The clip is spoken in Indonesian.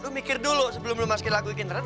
lu mikir dulu sebelum lu masukin lagu ikin keren